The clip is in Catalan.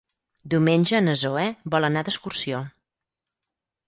Diumenge na Zoè vol anar d'excursió.